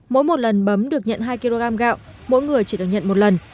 mỗi một lần bấm được nhận hai kg gạo mỗi người chỉ được nhận một lần